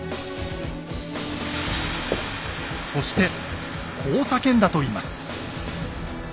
そしてこう叫んだといいます。